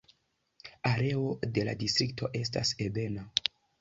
Areo de la distrikto estas ebena.